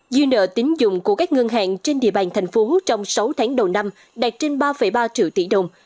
dư nợ tính dụng của các ngân hàng trên địa bàn thành phố trong sáu tháng đầu năm đạt trên ba ba triệu tỷ đồng